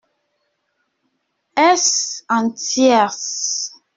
Est-ce en tierce ?